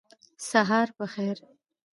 سهار په خیر